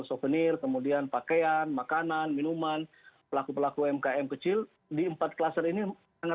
oke terima kasih